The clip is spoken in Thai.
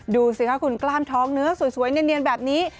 ดูสิค่ะคุณกล้ามท้องเนื้อสวยเนียนแบบนี้